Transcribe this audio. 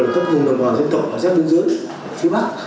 các vùng đồng hòa dân tộc ở giáp bên dưới phía bắc